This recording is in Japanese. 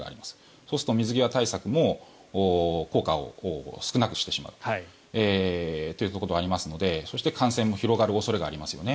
そうすると水際対策も効果を少なくしてしまうということがありますのでそして、感染も広がる恐れがありますよね。